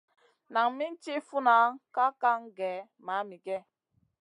Nan min tiʼi funna kaʼa kaŋ gèh mamigèh?